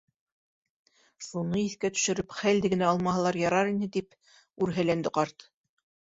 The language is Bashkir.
Шуны иҫкә төшөрөп хәлде генә алмаһалар ярар ине, тип үрһәләнде ҡарт.